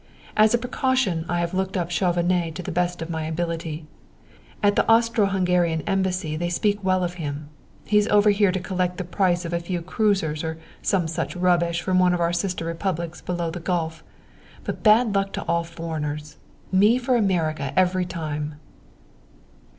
As a precaution I have looked up Chauvenet to the best of my ability. At the Austro Hungarian Embassy they speak well of him. He's over here to collect the price of a few cruisers or some such rubbish from one of our sister republics below the Gulf. But bad luck to all foreigners! Me for America every time!"